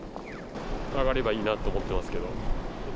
上がればいいなと思ってますけど。